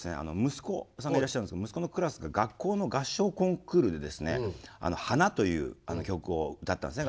息子さんがいらっしゃるんですが息子のクラスが学校の合唱コンクールでですね「花」という曲を歌ったんですね。